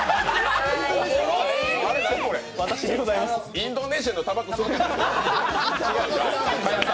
インドネシアのたばこ吸う少年。